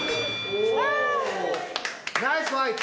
おナイスファイト！